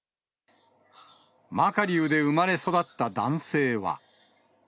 マカリウで生まれ育った男性は。